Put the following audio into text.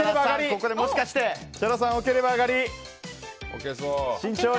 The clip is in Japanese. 設楽さん、置ければ上がり。